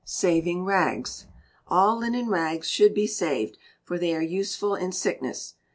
Saving Rags. All linen rags should be saved, for they are useful in sickness.